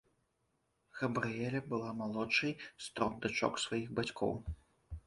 Габрыэля была малодшай з трох дачок сваіх бацькоў.